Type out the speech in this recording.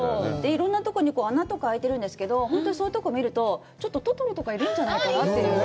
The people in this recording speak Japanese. いろんなとこに穴とかあいてるんですけど、そういうところを見ると、ちょっとトトロとかいるんじゃないのかなって。